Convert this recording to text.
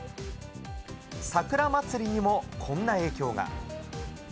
桜祭りにもこんな影響が。